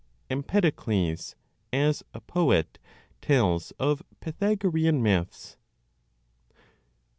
EMPEDOCLES, AS A POET, TELLS OF PYTHAGOREAN MYTHS.